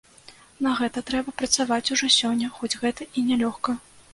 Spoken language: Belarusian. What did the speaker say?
На гэта трэба працаваць ужо сёння, хоць гэта і не лёгка.